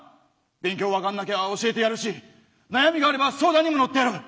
勉強分かんなきゃ教えてやるし悩みがあれば相談にも乗ってやる。